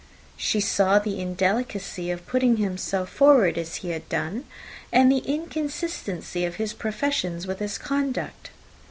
She saw the indelicacy of putting himself forward as he had done, and the inconsistency of his professions with his conduct.